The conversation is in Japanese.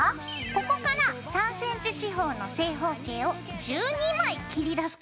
ここから３ｃｍ四方の正方形を１２枚切り出すからね。